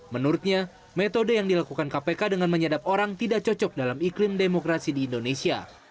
menurutnya metode yang dilakukan kpk dengan menyadap orang tidak cocok dalam iklim demokrasi di indonesia